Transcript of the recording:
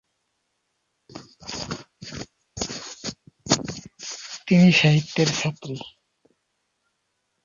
তিনি সাহিত্যের ছাত্রী।